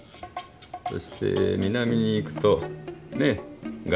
そして南に行くとねえグアム。